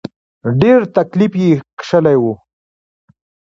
ډېر تکليف یې کشلی و.